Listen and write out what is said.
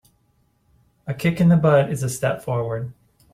A kick in the butt is a step forward.